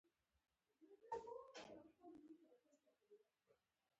• شنې سترګې د احساساتو یوه واضح او ښکلی ښودنه ده.